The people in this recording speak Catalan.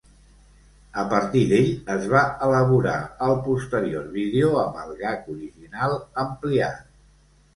A partir d'ell es va elaborar el posterior vídeo amb el gag original ampliat.